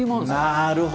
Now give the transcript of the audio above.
なるほど。